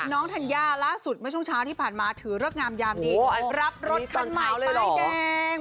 น้องธัญญาล่าสุดเมื่อช่วงเช้าที่ผ่านมาถือเริกงามยามดีโหอันนี้ตอนเช้าเลยเหรอรับรถคันใหม่ป้ายแดง